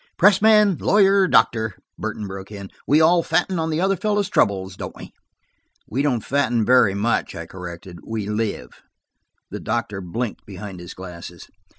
"Press man, lawyer, or doctor," Burton broke in, "we all fatten on the other fellow's troubles, don't we?" "We don't fatten very much," I corrected. "We live." The doctor blinked behind his glasses.